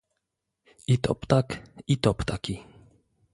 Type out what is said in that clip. "I to ptak i to ptaki."